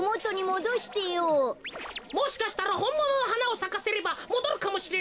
もしかしたらほんもののはなをさかせればもどるかもしれないぜ。